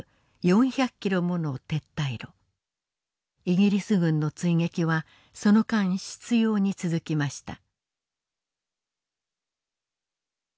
イギリス軍の追撃はその間執ように続きました。